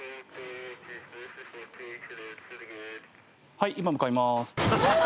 はい今向かいまーす。